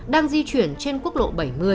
đang di chuyển trên quốc lộ bảy mươi